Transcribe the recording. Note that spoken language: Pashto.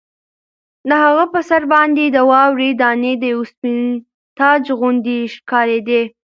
د هغه په سر باندې د واورې دانې د یوه سپین تاج غوندې ښکارېدې.